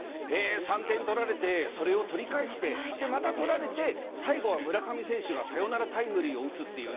３点取られてそれを取り返してでまた取られて最後は村上選手がサヨナラタイムリーを打つっていうね。